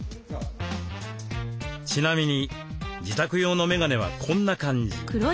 ちなみに自宅用のメガネはこんな感じ。